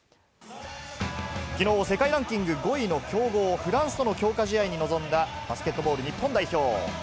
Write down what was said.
きのう世界ランキング５位の強豪フランスとの強化試合に臨んだバスケットボール日本代表。